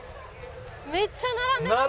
めっちゃ並んでますよ！